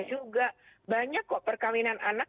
juga banyak kok perkawinan anak